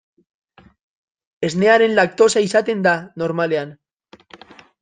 Esnearen laktosa izaten da, normalean.